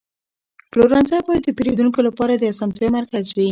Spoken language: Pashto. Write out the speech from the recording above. پلورنځی باید د پیرودونکو لپاره د اسانتیا مرکز وي.